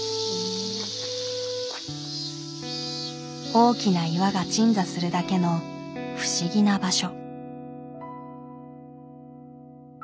大きな岩が鎮座するだけの不思議な場所。